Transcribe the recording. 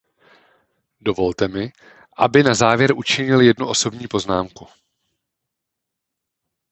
Dovolte mi, aby na závěr učinil jednu osobní poznámku.